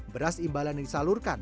beras imbalan yang disalurkan